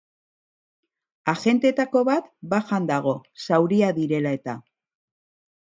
Agenteetako bat bajan dago zauriak direla eta.